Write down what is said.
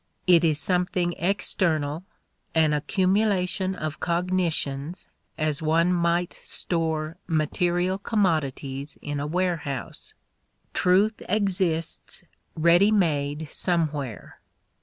It is something external, an accumulation of cognitions as one might store material commodities in a warehouse. Truth exists ready made somewhere.